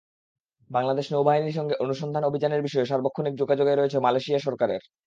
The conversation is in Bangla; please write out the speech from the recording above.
বাংলাদেশ নৌবাহিনীর সঙ্গে অনুসন্ধান অভিযানের বিষয়ে সার্বক্ষণিক যোগাযোগ রয়েছে মালয়েশিয়া সরকারের।